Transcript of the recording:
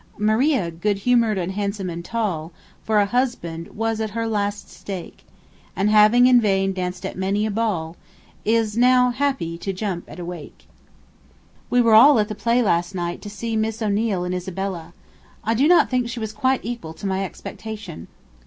Maria, good humoured, and handsome, and tall, For a husband was at her last stake; And having in vain danced at many a ball, Is now happy to jump at a Wake. 'We were all at the play last night to see Miss O'Neil in Isabella. I do not think she was quite equal to my expectation.